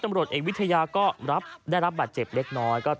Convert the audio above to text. ก็ได้รับบัตรเจ็บเล็กน้อยก็ไปต้องไปตรวจสอบร่างกายกัน